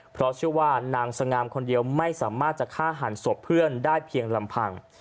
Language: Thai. เพราะเชื่อว่านางสงามคนเดียวไม่สามารถจะฆ่าหันศพเพื่อนได้เพียงลำพัง